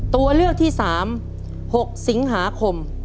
ตัวเลือกที่๓๖สิงหาคม